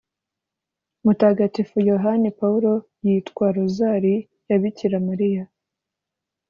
mutagatifu yohani pawulo yitwa “rozali ya bikira mariya